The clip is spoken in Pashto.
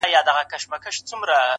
• دا ټپه ورته ډالۍ كړو دواړه.